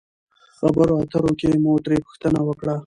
خبرو اترو کښې مو ترې پوښتنه وکړه